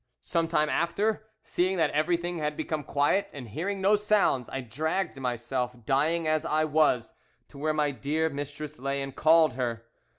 Some time after, seeing that everything had become quiet, and hearing no sound, I dragged myself, dying as I was, to where my dear mistress lay, and called her.